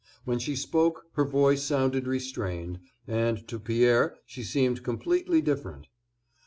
When she spoke her voice sounded restrained; and to Pierre she seemed completely different.